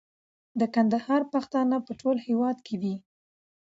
د کندهار پښتانه په ټول هيواد کي دي